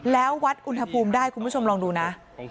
แล้ววัดอุณหภูมิได้คุณผู้ชมลองดูนะ